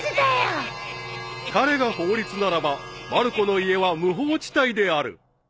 ［彼が法律ならばまる子の家は無法地帯である］